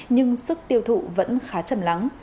nhưng sức tiêu thụ vẫn khá chậm lắng